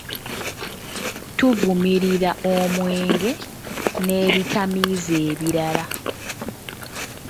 Tuvumirira omwenge n'ebitamiiza ebirala.